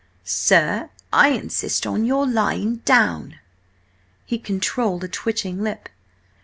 "Sir, I insist on your lying down!" He controlled a twitching lip.